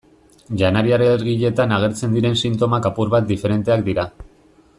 Janari-alergietan agertzen diren sintomak apur bat diferenteak dira.